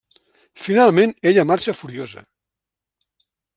Finalment, ella marxa furiosa.